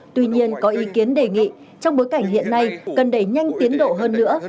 tuy nhiên có ý kiến đề nghị trong bối cảnh hiện nay cần đẩy nhanh tiến độ hơn nữa